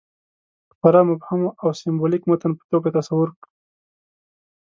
خورا مبهم او سېمبولیک متن په توګه تصور کړو.